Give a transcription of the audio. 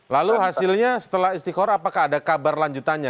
lalu hasilnya setelah istiqorah apakah ada kabar lanjutannya